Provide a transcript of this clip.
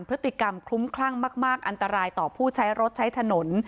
พฤติกรรมคลุ้มคลั่งมากอันตรายต่อผู้ใช้รถใช้ถนน